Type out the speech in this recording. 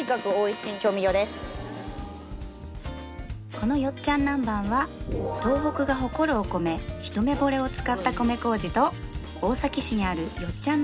このよっちゃんなんばんは東北が誇るお米ひとめぼれを使った米麹と大崎市にあるよっちゃん